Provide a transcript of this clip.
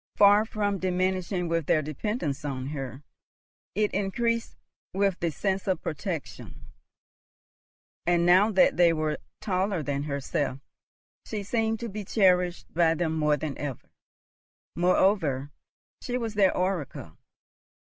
Far from diminishing with their dependence on her, it increased with the sense of protection; and, now that they were taller than herself, she seemed to be cherished by them more than ever. Moreover, she was their oracle.